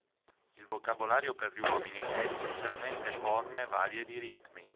Il vocabolario per gli uomini è essenzialmente forme varie di ritmi.